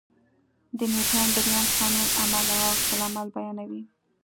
د نیوټن درېیم قانون عمل او عکس العمل بیانوي.